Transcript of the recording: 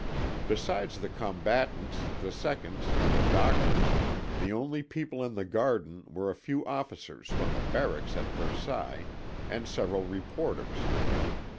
Besides the combatants, the seconds, and the doctors, the only people in the garden were a few officers from the barracks at Versailles and several reporters.